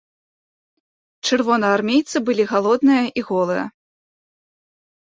Чырвонаармейцы былі галодныя і голыя.